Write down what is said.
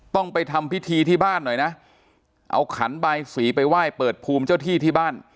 ต้องไปทำพิธีที่บ้านหน่อยนะเอาขันใบสีไปไหว้เปิดภูมิเจ้าที่ที่บ้าน